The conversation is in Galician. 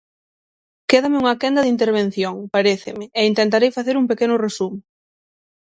Quédame unha quenda de intervención, paréceme, e intentarei facer un pequeno resumo.